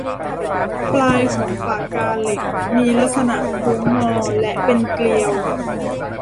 ปลายของปากกาเหล็กมีลักษณะโค้งงอและเป็นเกลียว